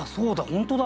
本当だ。